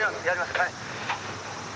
はい。